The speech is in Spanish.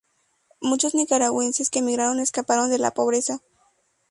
Muchos nicaragüenses que emigraron, escaparon de la pobreza.